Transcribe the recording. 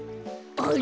あれ！